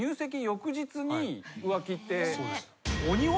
翌日に浮気って。